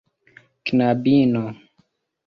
knabino